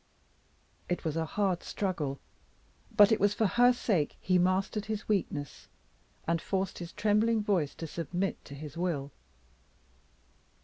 It was a hard struggle, but it was for her sake: he mastered his weakness, and forced his trembling voice to submit to his will.